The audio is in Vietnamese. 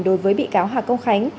đối với bị cáo hà công khánh